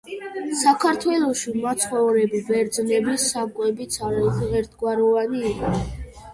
საქართველოში მცხოვრები ბერძნების საკვებიც არაერთგვაროვანი იყო.